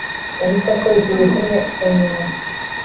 yahise akubita igikumwe ku nyundo